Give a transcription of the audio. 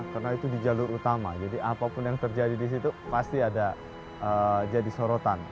karena itu di jalur utama jadi apapun yang terjadi di situ pasti ada jadi sorotan